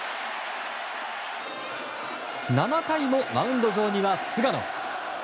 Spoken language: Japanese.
７回もマウンド上には菅野。